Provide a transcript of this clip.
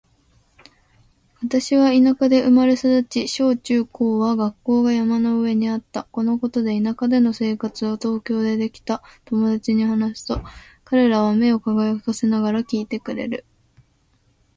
私は田舎で生まれ育ち、小・中・高は学校が山の上にあった。このことや田舎での生活を東京でできた友達に話すと、彼らは目を輝かせながら聞いてくれる。